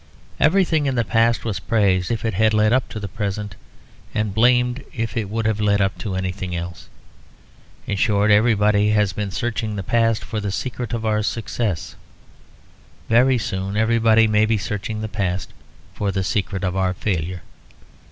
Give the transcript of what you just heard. Everything in the past was praised if it had led up to the present, and blamed if it would have led up to anything else. In short everybody has been searching the past for the secret of our success. Very soon everybody may be searching the past for the secret of our failure.